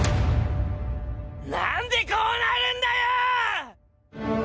何でこうなるんだよー！